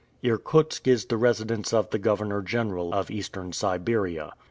Irkutsk is the residence of the governor general of Eastern Siberia.